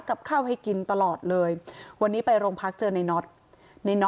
กับข้าวให้กินตลอดเลยวันนี้ไปโรงพักเจอในน็อตในน็อ